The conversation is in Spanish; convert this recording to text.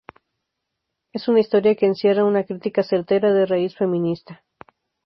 Es una historia que encierra una crítica certera de raíz feminista.